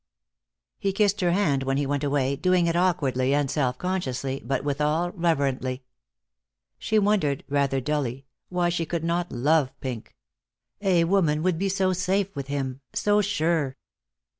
He kissed her hand when he went away, doing it awkwardly and self consciously, but withal reverently. She wondered, rather dully, why she could not love Pink. A woman would be so safe with him, so sure.